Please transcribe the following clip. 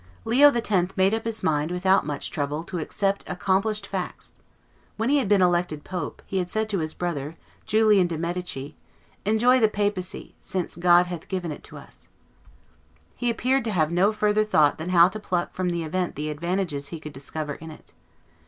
[Illustration: Leo X. 21] Leo X. made up his mind without much trouble to accept accomplished facts. When he had been elected pope, he had said to his brother, Julian de' Medici, "Enjoy we the papacy, since God hath given it us" [Godiamoci il papato, poiche Dio ci l' ha dato]. He appeared to have no further thought than how to pluck from the event the advantages he could discover in it.